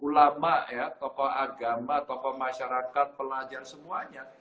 ulama ya tokoh agama tokoh masyarakat pelajar semuanya